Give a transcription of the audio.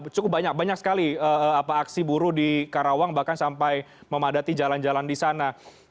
cukup banyak banyak sekali aksi buruh di karawang bahkan sampai memadati jalan jalan di sana